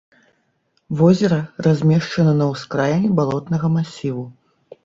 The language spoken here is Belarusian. Возера размешчана на ўскраіне балотнага масіву.